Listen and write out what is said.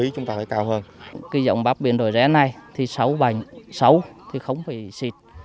cái dòng bắp biến đổi gen này thì sâu bành sâu thì không phải xịt